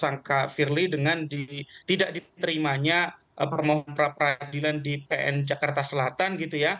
saya sangat bersangka fili dengan tidak diterimanya permohon pra peradilan di pn jakarta selatan